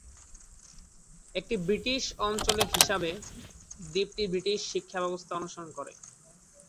একটি ব্রিটিশ অঞ্চল হিসাবে, দ্বীপটি ব্রিটিশ শিক্ষা ব্যবস্থা অনুসরণ করে।